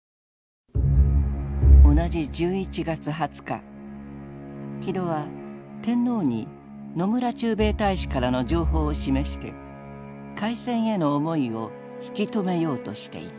同じ１１月２０日木戸は天皇に野村駐米大使からの情報を示して開戦への思いを引き止めようとしていた。